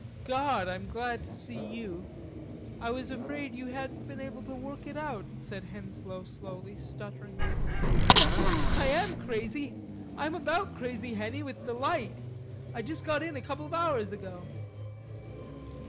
"God, I'm glad to see you.... I was afraid you hadn't been able to work it."...Said Henslowe slowly, stuttering a little. "I'm about crazy, Henny, with delight. I just got in a couple of hours ago...."